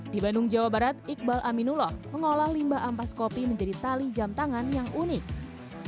di bandung jawa barat iqbal aminullah mengolah limbah ampas kopi menjadi tali jam tangan yang unik